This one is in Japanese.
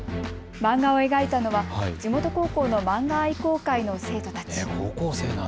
漫画を描いたのは地元高校の漫画愛好会の生徒たち。